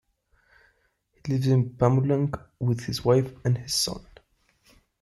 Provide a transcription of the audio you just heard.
He lives in Pamulang with his wife and his son.